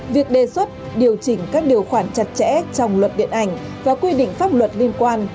việc đề xuất điều chỉnh các điều khoản chặt chẽ trong luật điện ảnh và quy định pháp luật liên quan